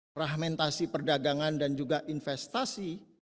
fragmentasi perdagangan dan juga investasi